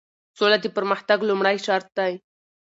سوله د پرمختګ لومړی شرط دی.